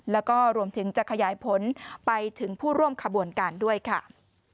แล้วก็รวมถึงจะขยายผลไปถึงผู้ร่วมขบวนการด้วยค่ะ